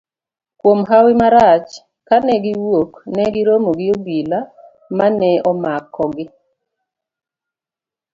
Kuom hawi marach, kane giwuok, negi romo gi obila mane omakogi.